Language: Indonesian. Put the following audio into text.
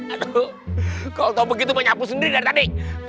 aduh kalau begitu banyak aku sendiri dari tadi